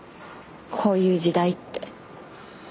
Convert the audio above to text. こういう時代って。